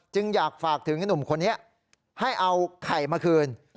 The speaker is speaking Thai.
จึงอยากฝากถึงหนุ่มคนนี้ให้เอาไข่มาคืน